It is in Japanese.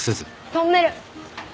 トンネル？